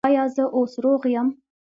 ایا زه اوس روغ یم؟